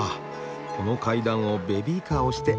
この階段をベビーカー押して。